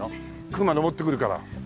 クマ登ってくるから。